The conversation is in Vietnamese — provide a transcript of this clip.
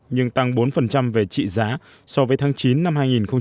nhưng tăng bốn về trị giá so với tháng chín năm hai nghìn một mươi chín